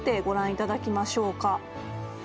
ご覧いただきましょう。